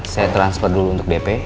saya transfer dulu untuk dp